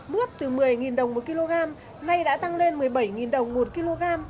mướp từ một mươi đồng một kg nay đã tăng lên một mươi bảy đồng một kg